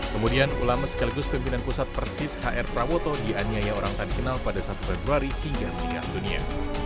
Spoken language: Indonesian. kemudian ulama sekaligus pimpinan pusat persis hr prawoto dianiaya orang tak dikenal pada satu februari hingga meninggal dunia